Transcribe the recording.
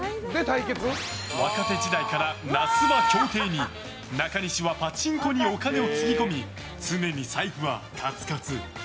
若手時代から那須は競艇に中西はパチンコにお金をつぎ込み常に財布はカツカツ。